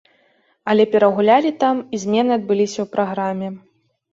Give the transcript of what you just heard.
Але перагулялі там і змены адбыліся ў праграме.